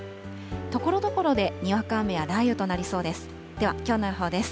ところどころでにわか雨や雷雨となりそうです。